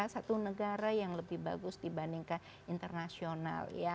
karena salah satu daerah satu negara yang lebih bagus dibandingkan internasional